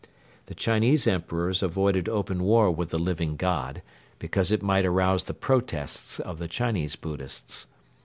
The Chinese Emperors avoided open war with the Living God, because it might arouse the protests of the Chinese Buddhists.